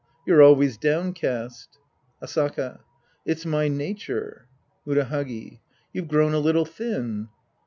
You're always downcast. Asaka. It's my nature. MuraJiagi. You've grown a little thin.